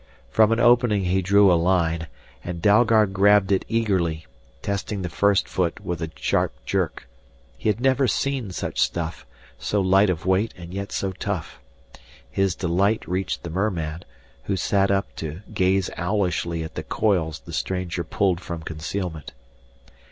From an opening he drew a line, and Dalgard grabbed it eagerly, testing the first foot with a sharp jerk. He had never seen such stuff, so light of weight and yet so tough. His delight reached the merman, who sat up to gaze owlishly at the coils the stranger pulled from concealment.